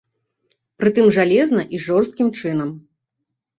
Прытым жалезна і жорсткім чынам.